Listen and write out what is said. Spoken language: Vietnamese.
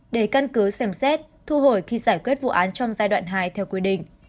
để căn cứ xem xét thu hồi khi giải quyết vụ án trong giai đoạn hai theo quy định